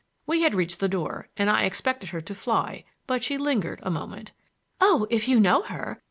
We had reached the door, and I expected her to fly; but she lingered a moment. "Oh, if you know her!